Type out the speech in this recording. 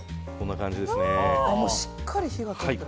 しっかり火が通ってる。